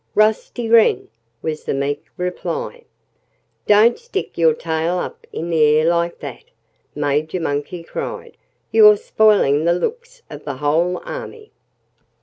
"Rusty Wren!" was the meek reply. "Don't stick your tail up in the air like that!" Major Monkey cried. "You're spoiling the looks of the whole army."